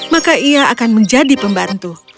maka ia akan menjadi pembantu